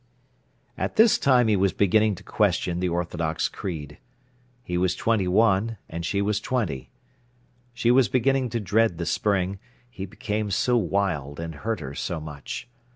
At this time he was beginning to question the orthodox creed. He was twenty one, and she was twenty. She was beginning to dread the spring: he became so wild, and hurt her so much.